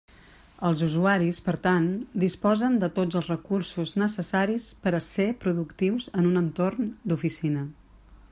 Els usuaris, per tant, disposen de tots els recursos necessaris per a ser productius en un entorn d'oficina.